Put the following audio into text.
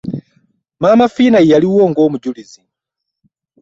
Maama Fiina ye yaliwo ng'omujulizi.